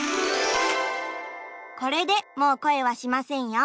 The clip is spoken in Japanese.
これでもうこえはしませんよ。